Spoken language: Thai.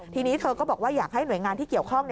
ทีนี้เธอก็บอกว่าอยากให้หน่วยงานที่เกี่ยวข้อง